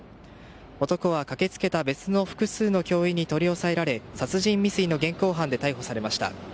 男は駆け付けた別の複数の教員に取り押さえられ殺人未遂の現行犯で逮捕されました。